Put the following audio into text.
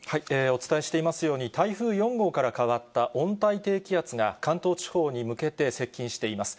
お伝えしていますように、台風４号から変わった温帯低気圧が、関東地方に向けて接近しています。